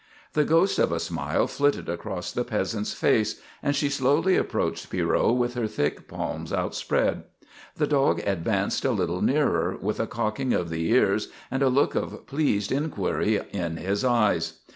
The ghost of a smile flitted across the peasant's face and she slowly approached Pierrot with her thick palms outspread. The dog advanced a little nearer, with a cocking of the ears and a look of pleased inquiry in his eyes.